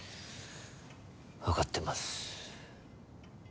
分かってます。